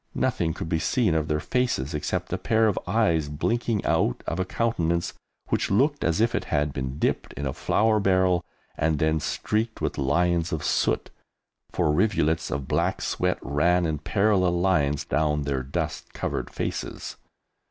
Nothing could be seen of their faces except a pair of eyes blinking out of a countenance which looked as if it had been dipped in a flour barrel and then streaked with lines of soot, for rivulets of black sweat ran in parallel lines down their dust covered faces.